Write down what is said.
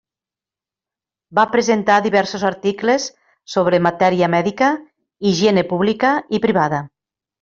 Va presentar diversos articles sobre matèria mèdica, higiene pública i privada.